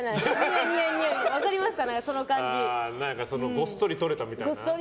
ごっそり取れたみたいな？